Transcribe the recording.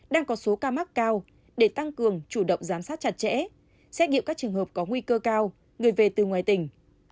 đang có số ca mắc cao để tăng cường chủ động giám sát chặt chẽ xét nghiệm các trường hợp có nguy cơ cao người về từ ngoài tỉnh